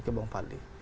ke bang fadli